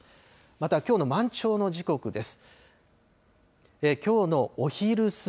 また、きょうの満潮の時刻です。